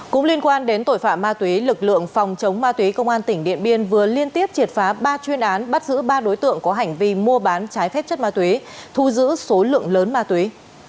cũng liên quan đến tội phạm ma túy lực lượng phòng chống ma túy công an tỉnh điện biên vừa liên tiếp triệt phá ba chuyên án bắt giữ ba đối tượng có hành vi mua bán trái phép chất ma túy thu giữ số lượng lớn ma túy